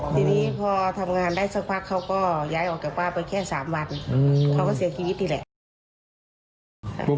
ทีนี้พอทำงานได้สักพักเขาก็ย้ายออกจากบ้านไปแค่๓วันเขาก็เสียชีวิตนี่แหละ